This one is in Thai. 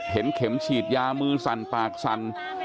เข็มฉีดยามือสั่นปากสั่น